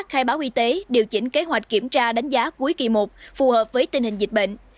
khai báo y tế điều chỉnh kế hoạch kiểm tra đánh giá cuối kỳ một phù hợp với tình hình dịch bệnh